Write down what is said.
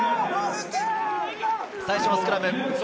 最初はスクラム。